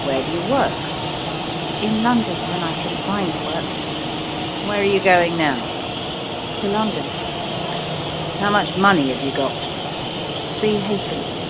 "Where do you work?" "In London when I can find work." "Where are you going now?" "To London." "How much money have you got?" "Three halfpence."